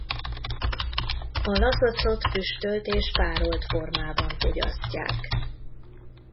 A lazacot füstölt és párolt formában fogyasztják.